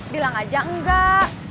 bilang aja enggak